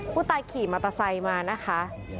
ผู้ตายขี่มอเตอร์ไซค์มานะคะ